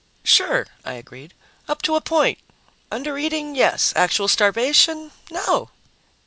"Sure," I agreed. "Up to a point. Undereating, yes. Actual starvation, no."